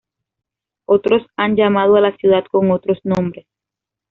Otros han llamado a la ciudad con otros nombres.